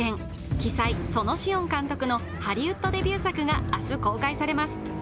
鬼才・園子温監督のハリウッドデビュー作が明日公開されます。